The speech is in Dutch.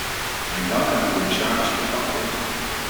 Mijn dank aan de commissaris voor het antwoord.